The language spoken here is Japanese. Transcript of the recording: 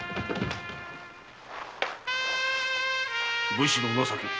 武士の情けだ。